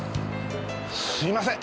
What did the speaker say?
すいません。